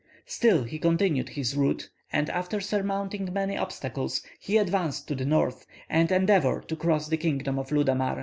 Still he continued his route, and, after surmounting many obstacles, he advanced to the north, and endeavoured to cross the kingdom of Ludamar.